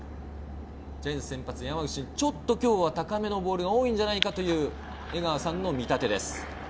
山口投手、ちょっと高めのボールが多いんじゃないかという江川さんの見立てです。